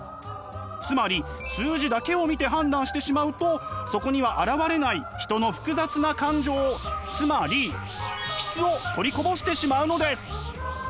つまり数字だけを見て判断してしまうとそこには表れない人の複雑な感情つまり「質」を取りこぼしてしまうのです。